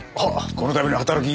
このたびの働き